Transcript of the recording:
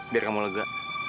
biar kamu lega